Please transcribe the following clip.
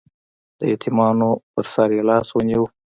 د یتیمانو په سر یې لاس ونیو.